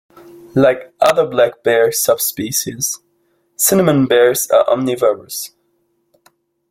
Like other black bear subspecies, Cinnamon bears are omnivorous.